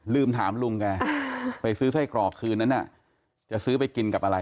ลืมถามลุงแกไปซื้อไส้กรอกคืนนั้นจะซื้อไปกินกับอะไร